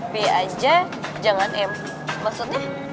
b aja jangan m maksudnya